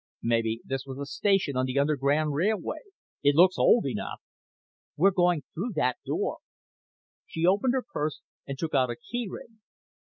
"Maybe this was a station on the underground railway. It looks old enough." "We're going through that door." She opened her purse and took out a key ring.